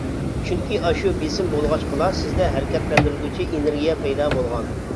چۈنكى ئاشۇ بىسىم بولغاچقىلا، سىزدە ھەرىكەتلەندۈرگۈچى ئېنېرگىيە پەيدا بولغان.